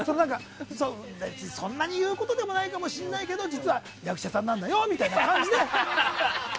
別にそんなに言うことじゃないかもしれないけど実は役者さんなんだよみたいな。